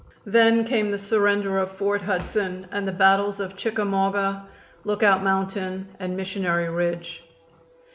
Then came the surrender of Fort Hudson and the battles of Chickamauga, Lookout Mountain and Missionary Ridge.